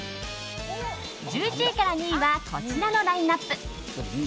１１位から２位はこちらのラインアップ。